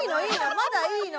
まだいいの！